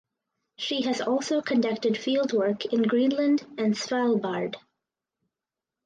She has also conducted fieldwork in Greenland and Svalbard.